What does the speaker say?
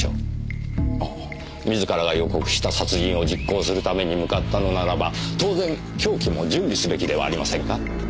自らが予告した殺人を実行するために向かったのならば当然凶器も準備すべきではありませんか？